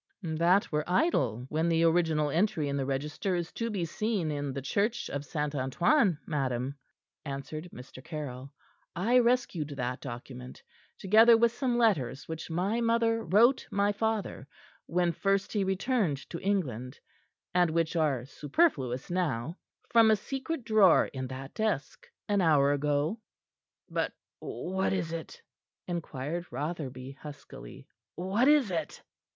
"That were idle, when the original entry in the register is to be seen in, the Church of St. Antoine, madam," answered Mr. Caryll. "I rescued that document, together with some letters which my mother wrote my father when first he returned to England and which are superfluous now from a secret drawer in that desk, an hour ago." "But what is it?" inquired Rotherby huskily. "What is it?"